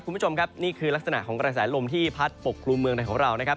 คุณผู้ชมครับนี่คือลักษณะของกระแสลมที่พัดปกครุมเมืองในของเรานะครับ